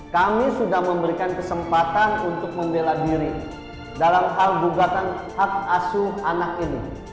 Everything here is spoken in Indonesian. kami sudah memberikan kesempatan untuk membela diri dalam hal gugatan hak asuh anak ini